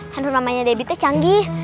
hanfur mamanya debbie tuh canggih